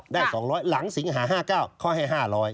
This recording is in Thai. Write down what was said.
๒๐๐หลังสิงหา๕๙เขาให้๕๐๐